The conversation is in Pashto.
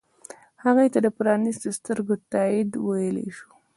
هغې ته د پرانیستو سترګو تایید ویلی شو.